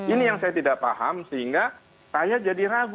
ini yang saya tidak paham sehingga saya jadi ragu